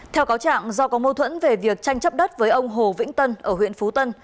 theo cáo trạng do có mâu thuẫn về việc tranh chấp đất với ông hồ vĩnh tân ở huyện phú tân